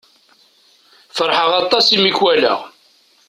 Feṛḥeɣ aṭas i mi k-walaɣ.